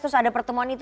terus ada pertemuan itu